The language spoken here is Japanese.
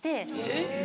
えっ？